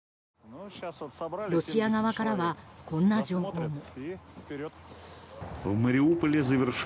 ロシア側からはこんな情報も。